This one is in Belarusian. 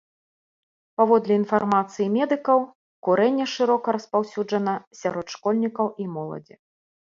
Паводле інфармацыі медыкаў, курэнне шырока распаўсюджана сярод школьнікаў і моладзі.